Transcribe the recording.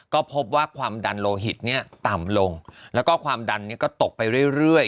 ก็พบว่าความดันโลหิตเนี่ยต่ำลงแล้วก็ความดันก็ตกไปเรื่อย